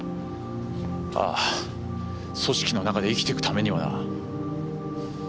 ああ組織の中で生きていくためにはな。